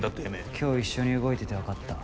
今日一緒に動いてて分かった。